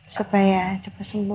supaya cepat sembuh